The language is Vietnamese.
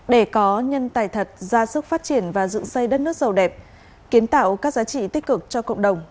để có nhân tài thật ra sức phát triển và dựng xây đất nước giàu đẹp kiến tạo các giá trị tích cực cho cộng đồng